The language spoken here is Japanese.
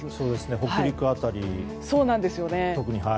北陸辺りが特に。